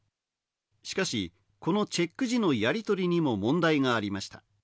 しかし、このチェック時のやりとりにも問題がありました。